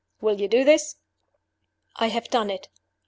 Will you do this?' "I have done it.